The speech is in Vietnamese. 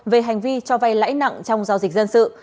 về hành vi cho vay lãi nặng trong giao dịch dân sự